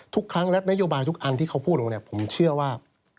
ทุกครั้งและนโยบายทุกอันที่เขาพูดออกมาผมเชื่อว่า